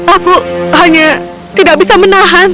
aku hanya tidak bisa menahan